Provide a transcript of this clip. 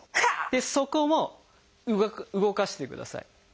でそこも動かしてください。